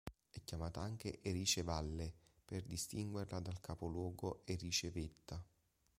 È chiamata anche Erice valle per distinguerla dal capoluogo, Erice vetta.